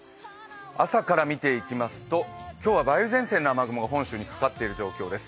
朝から見ていきますと、今日は梅雨前線の雨雲が本州にかかっている状況です。